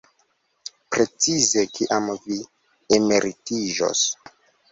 Precize kiam vi emeritiĝos?